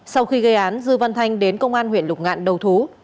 sau khi gây án dư văn thanh đến công an huyện lục ngạn đầu thú